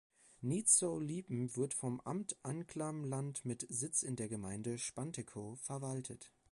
Neetzow-Liepen wird vom Amt Anklam-Land mit Sitz in der Gemeinde Spantekow verwaltet.